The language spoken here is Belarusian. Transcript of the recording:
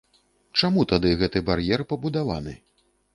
Чаму тады гэты бар'ер пабудаваны?